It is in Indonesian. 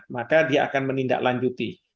maka dia akan menindaklanjuti